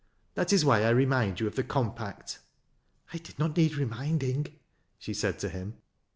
That is why I remind you of the compact." " I did not nfeed reminding," she said to him.